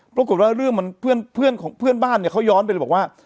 ปรากฏว่าเรื่องมันเพื่อนของเพื่อนบ้านเนี่ยเขาย้อนไปเลยบอกว่า